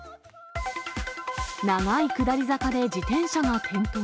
長い下り坂で自転車が転倒。